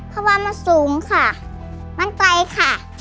เพราะว่ามันสูงค่ะมันไกลค่ะ